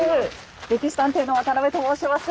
「歴史探偵」の渡邊と申します。